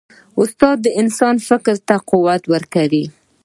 استاد د انسان فکر ته قوت ورکوي.